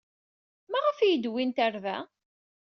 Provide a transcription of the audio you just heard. Maɣef ay iyi-d-wwint ɣer da?